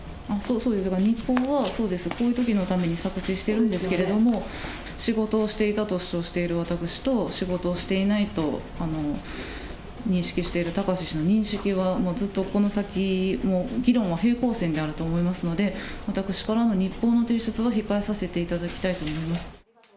そうです、だから日報は、そうです、こういうときのために作成してるんですけれども、仕事をしていたと主張している私と、仕事をしていないと認識している貴志氏の認識はもうずっとこの先、議論は平行線であると思いますので、私からの日報の提出は控えさせていただきたいと思います。